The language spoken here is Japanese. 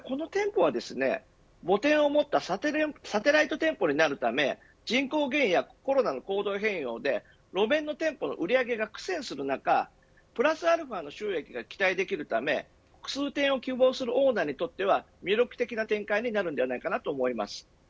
母店を持ったサテライト店舗になるため人口減やコロナの行動変容によって路面の店舗の売り上げが苦戦する中プラスαの収益が期待できるため複数店を希望するオーナーにとっては魅力的な展開になります。